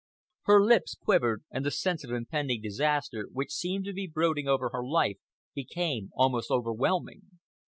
Her lips quivered and the sense of impending disaster which seemed to be brooding over her life became almost overwhelming.